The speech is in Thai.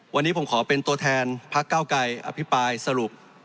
วันนี้ผมขอเป็นตัวแทนพักเก้าไกรอภิปรายสรุป